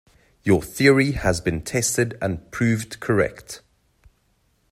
Your theory has been tested and proved correct.